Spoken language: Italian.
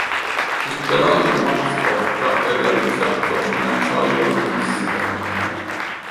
Il telaio monoscocca è realizzato in acciaio inossidabile.